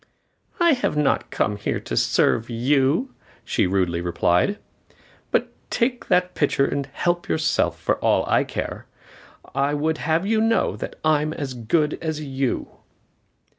"I have not come here to serve you," she rudely replied, "but take the pitcher and help yourself, for all I care. I would have you know that I am as good as you."